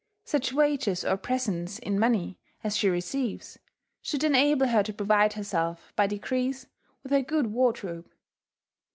Such wages, or presents in money, as she receives, should enable her to provide herself, by degrees, with a good wardrobe.